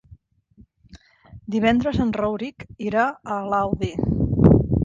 Divendres en Rauric irà a l'Albi.